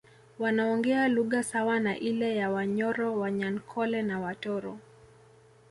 Wanaongea lugha sawa na ile ya Wanyoro Wanyankole na Watoro